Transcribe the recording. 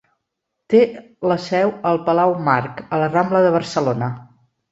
Té la seu al palau Marc, a la Rambla de Barcelona.